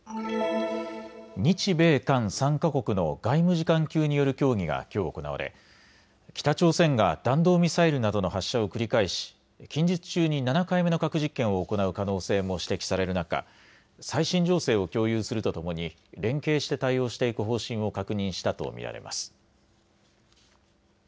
日米韓３か国の外務次官級による協議がきょう行われ北朝鮮が弾道ミサイルなどの発射を繰り返し近日中に７回目の核実験を行う可能性も指摘される中、最新情勢を共有するとともに連携して対応していく方針を確認したと見られます。